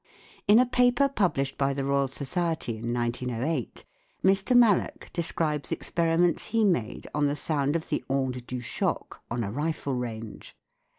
In a paper published by the Royal Society in 1908 Mr. Mallock describes experiments he made on the sound of the onde du choc on a rifle range.